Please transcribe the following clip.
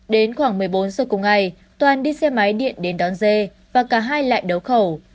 đến khoảng một mươi bốn giờ cùng ngày toàn đi xe máy điện đến đón dê và cả hai lại đấu khẩu